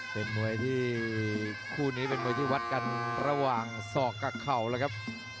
เป็นมวยที่คู่นี้เป็นมวยที่วัดกันระหว่างศอกกับเข่าแล้วครับ